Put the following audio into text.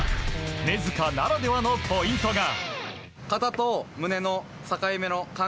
根塚ならではのポイントが。